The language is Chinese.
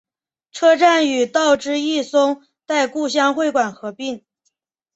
车站与道之驿松代故乡会馆合并。